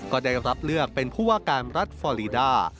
ก็ได้รับเลือกเป็นผู้ว่าการรัฐฟอรีดา